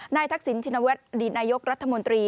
นายทักษิณชินวรรษดินายกรัฐมนตรี